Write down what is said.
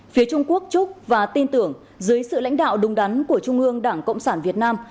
phía trung quốc chúc và tin tưởng dưới sự lãnh đạo đúng đắn của trung ương đảng cộng sản việt nam